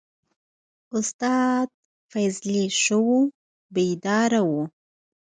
استاد فضلي ښه وو بیداره و.